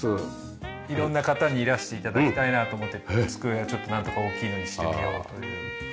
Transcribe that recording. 色んな方にいらして頂きたいなと思って机はちょっとなんとか大きいのにしてみようという。